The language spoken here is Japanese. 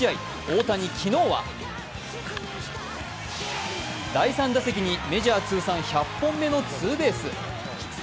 大谷、昨日は第３打席にメジャー通算１００本目のツーベース。